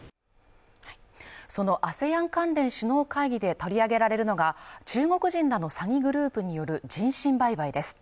そのＡＳＥＡＮ関連首脳会議で取り上げられるのが中国人らの詐欺グループによる人身売買です